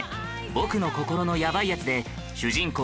『僕の心のヤバイやつ』で主人公